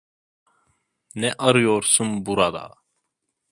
Ne arıyorsun burada?